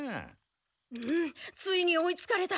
ついに追いつかれた。